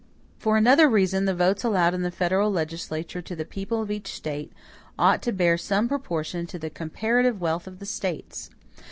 "For another reason, the votes allowed in the federal legislature to the people of each State, ought to bear some proportion to the comparative wealth of the States.